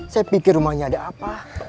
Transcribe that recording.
saya pikir rumahnya ada apa